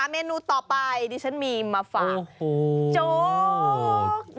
บังขึ้นต่อไปดิฉันมีมันมาฝากเจาะ